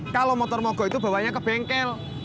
kalau motor mogok itu bawanya ke bengkel